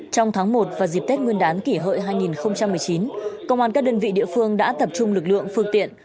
trong tháng một và dịp tết nguyên đán kỷ hợi hai nghìn một mươi chín công an các đơn vị địa phương đã tập trung lực lượng phương tiện